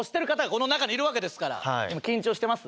この中にいるわけですから今緊張してます？